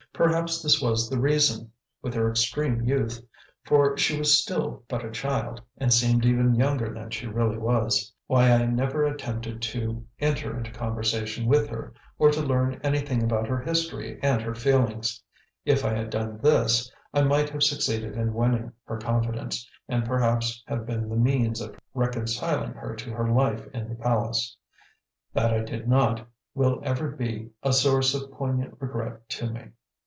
Perhaps this was the reason with her extreme youth, for she was still but a child, and seemed even younger than she really was why I never attempted to enter into conversation with her, or to learn anything about her history and her feelings. If I had done this, I might have succeeded in winning her confidence, and perhaps have been the means of reconciling her to her life in the palace. That I did not, will ever be a source of poignant regret to me.